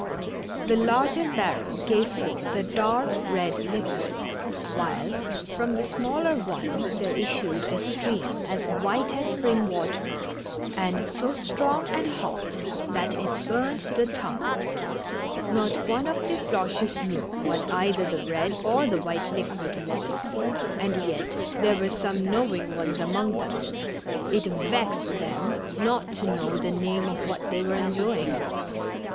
The larger barrel gave forth a dark red liquid, while from the smaller one there issued a stream as white as spring water, and so strong and hot that it burned the tongue. Not one of the Floches knew what either the red or the white liquid was, and yet there were some knowing ones among them. It vexed them not to know the name of what they were enjoying.